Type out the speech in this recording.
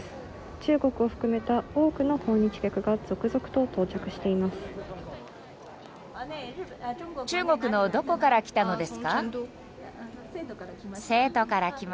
中国を含めた多くの訪日客が続々と到着しています。